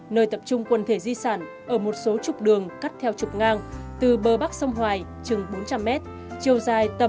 nơi tập trung quân thể di sản ở một số chục đường cắt theo chục ngang từ bờ bắc sông hoài chừng bốn trăm linh m chiều dài tầm một năm km